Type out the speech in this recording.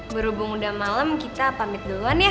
berhubung udah malam kita pamit duluan ya